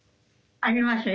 ありますよ。